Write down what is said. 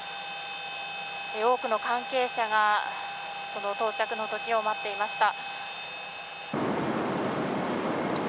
多くの関係者がその到着の時を待っていました。